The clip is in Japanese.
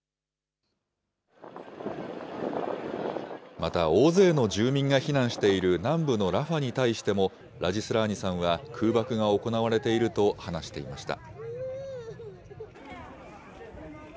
また大勢の住民が避難している南部のラファに対しても、ラジ・スラーニさんは空爆が行われていると話していました。